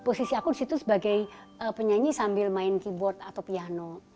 posisi aku di situ sebagai penyanyi sambil main keyboard atau piano